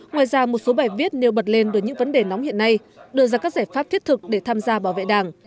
ngoài ra một số bài viết nêu bật lên được những vấn đề nóng hiện nay đưa ra các giải pháp thiết thực để tham gia bảo vệ đảng